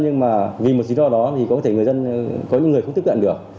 nhưng vì một số trường hợp đó có những người không tiếp cận được